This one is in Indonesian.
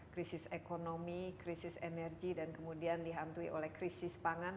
krisis ekonomi krisis energi dan kemudian dihantui oleh krisis pangan